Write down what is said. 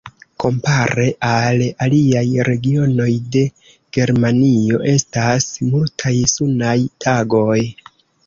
Kompare al aliaj regionoj de Germanio estas multaj sunaj tagoj.